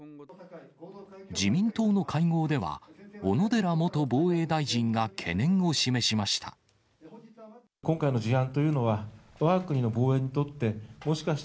自民党の会合では、小野寺元防衛大臣が懸念を示しました。